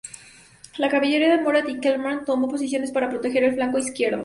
La caballería de Murat y Kellerman tomó posiciones para proteger el flanco izquierdo.